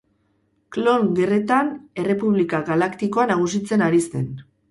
Klon Gerretan Errepublika Galaktikoa nagusitzen ari zen.